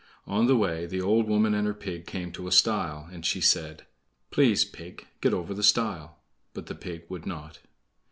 On the way the old woman and her pig came to a stile, and she said: "Please, pig, get over the stile." But the pig would not.